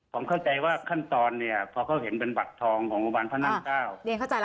ผมเข้าใจว่าขั้นตอนเนี่ยพอเขาเห็นเป็นบัตรทองของโรงพยาบาลพระนั่งเก้า